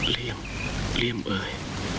เรียมเรียมเอย